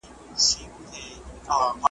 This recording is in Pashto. دا هغه ستونزه ده چي په ټولو پوهنتونونو کي سته.